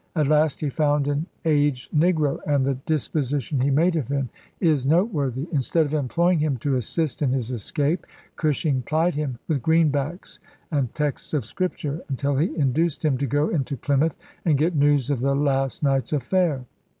At last he found an aged negro, and the disposition he made of him is noteworthy. Instead of employing him to assist in his escape, Cushing plied him with greenbacks and texts of Scripture until he induced him to go into Plymouth and get news of the last night's affair.